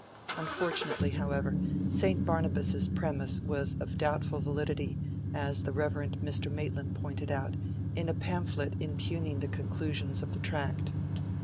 Unfortunately, however, St. Barnabas's premise was of doubtful validity, as the Rev. Mr. Maitland pointed out, in a pamphlet impugning the conclusions of the Tract.